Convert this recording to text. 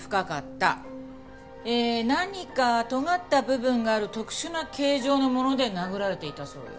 ええ何かとがった部分がある特殊な形状のもので殴られていたそうよ。